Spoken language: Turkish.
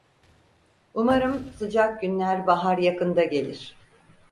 Umarım sıcak günler bahar yakında gelir.